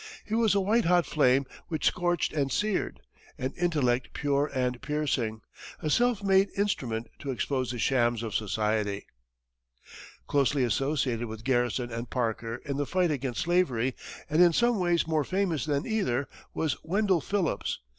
He was a white hot flame which scorched and seared, an intellect pure and piercing, a self made instrument to expose the shams of society. Closely associated with Garrison and Parker in the fight against slavery, and in some ways more famous than either, was Wendell Phillips.